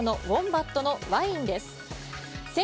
ウォンバットのワインです。